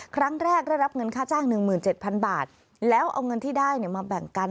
ครั้งแรกได้รับเงินค่าจ้าง๑๗๐๐บาทแล้วเอาเงินที่ได้มาแบ่งกัน